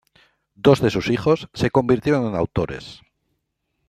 Dos de sus hijos se convirtieron en autores.